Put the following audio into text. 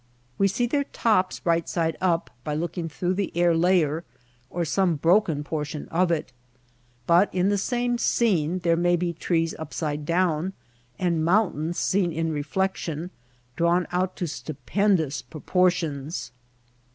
We see their tops right side up by look ing through the air layer or some broken por tion of it. But in the same scene there may be trees upside down, and mountains seen in re flection, drawn out to stupendous proportions.